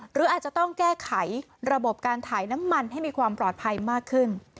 หรืออาจจะต้องแก้ไขระบบการถ่ายน้ำมันให้มีความปลอดภัยมากขึ้น